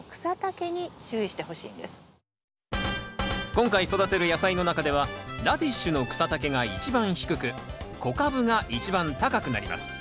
今回育てる野菜の中ではラディッシュの草丈が一番低く小カブが一番高くなります。